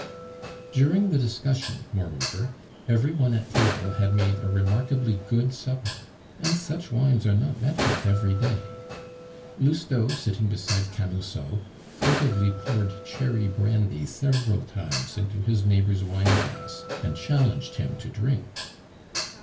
During the discussion, moreover, every one at table had made a remarkably good supper, and such wines are not met with every day. Lousteau, sitting beside Camusot, furtively poured cherry brandy several times into his neighbor's wineglass, and challenged him to drink.